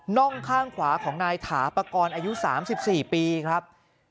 ่องข้างขวาของนายถาปกรณ์อายุ๓๔ปีครับ